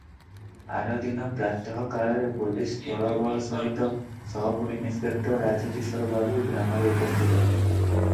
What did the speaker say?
ଆର ଦିନ ପ୍ରାତଃକାଳରେ ପୋଲିସ ଦଳବଳ ସହିତ ସବ୍ ଇନସ୍ପେକ୍ଟର ରାଜକିଶୋର ବାବୁ ଗ୍ରାମରେ ଉପସ୍ଥିତ ।